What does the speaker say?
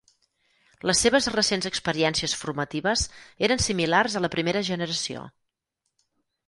Les seves recents experiències formatives eren similars a la primera generació.